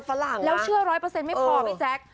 แล้วเชื่อร้อยเปอร์เซ็นไม่พอพี่แจ๊ค